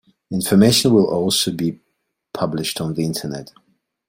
Information will also be published on the internet.